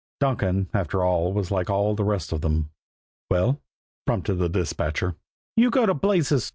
Donkin, after all, was like all the rest of them. "Well?" prompted the dispatcher. "You go to blazes!"